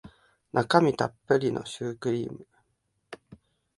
中身たっぷりのシュークリーム